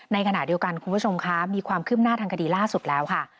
ในขณะเดียวกันคุณผู้ชมคะมีความคืบหน้าทางคดีล่าสุดแล้วค่ะ